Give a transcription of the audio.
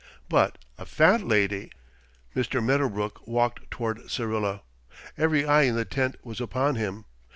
But a Fat Lady! Mr. Medderbrook walked toward Syrilla. Every eye in the tent was upon him.